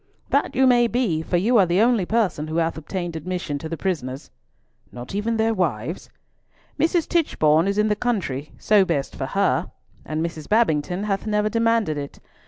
"That you may be, for you are the only person who hath obtained admission to the prisoners." "Not even their wives?" "Mrs. Tichborne is in the country—so best for her—and Mrs. Babington hath never demanded it.